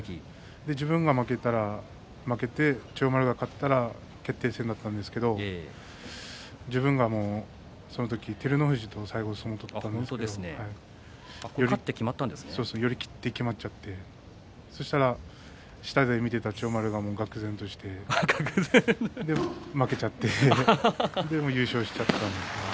自分が負けて千代丸が勝って決定戦だったんですけれども自分が最後、照ノ富士と相撲を取ったんですが寄り切ってきまっちゃってそしたら下で見ていた千代丸ががく然としてで負けちゃって優勝しちゃったんです。